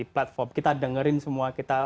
platform kita dengerin semua kita